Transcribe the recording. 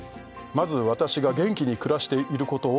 「まず私が元気に暮らしていることを」